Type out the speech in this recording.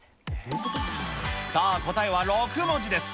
さあ、答えは６文字です。